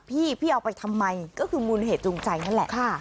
พี่พี่เอาไปทำไมก็คือมูลเหตุจูงใจนั่นแหละ